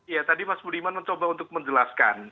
ya tadi mas budiman mencoba untuk menjelaskan